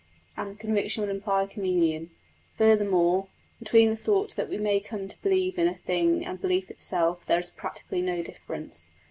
And the conviction would imply communion. Furthermore, between the thought that we may come to believe in a thing and belief itself there is practically no difference.